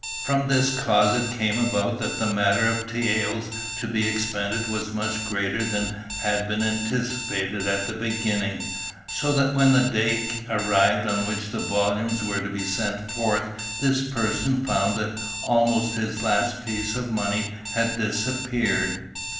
From this cause it came about that the matter of taels to be expended was much greater than had been anticipated at the beginning, so that when the day arrived on which the volumes were to be sent forth this person found that almost his last piece of money had disappeared.